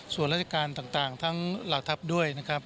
ส่วนราชการต่างทั้งหลักทัพด้วย